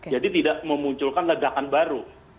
jadi tidak memunculkan ledakan baru